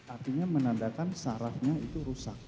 artinya menandakan sarafnya itu rusak